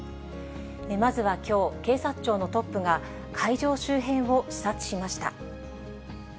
まずはきょう、警察庁のトップが会場周辺を視察しました。